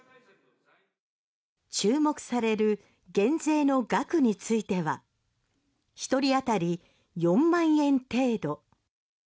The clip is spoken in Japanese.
注目される減税の額については１人当たり４万円程度。